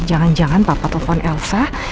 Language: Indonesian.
jangan jangan papa telpon elsa